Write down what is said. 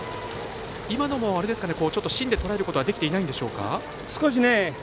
今のも、芯でとらえることはできていないんでしょうか。